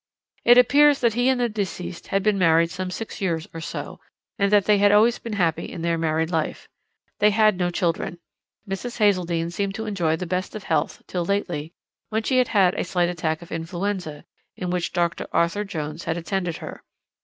"It appears that he and the deceased had been married some six years or so, and that they had always been happy in their married life. They had no children. Mrs. Hazeldene seemed to enjoy the best of health till lately, when she had had a slight attack of influenza, in which Dr. Arthur Jones had attended her.